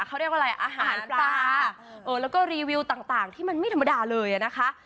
เขาเรียกว่าอะไรอาหารปลาแล้วก็รีวิวต่างที่มันไม่ธรรมดาเลยนะคะ